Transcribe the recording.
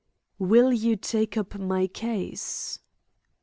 "Will you take up my case?"